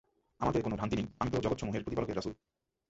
আমাতে কোন ভ্রান্তি নেই, আমি তো জগতসমূহের প্রতিপালকের রাসূল।